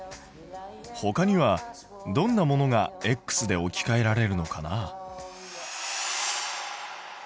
ほかにはどんなものがで置きかえられるのかな？